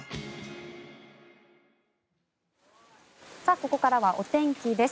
ここからはお天気です。